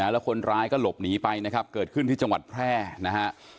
แล้วคนร้ายก็หลบหนีไปนะครับเกิดขึ้นที่จังหวัดแพร่นะฮะ